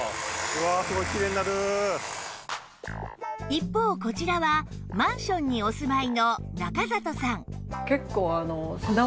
一方こちらはマンションにお住まいの中里さん